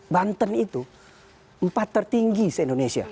banten itu empat tertinggi se indonesia